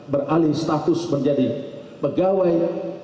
beralih status menjadi pegawai